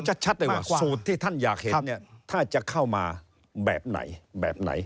ชัดเลยว่าสูตรที่ท่านอยากเห็นเนี่ยถ้าจะเข้ามาแบบไหนแบบไหน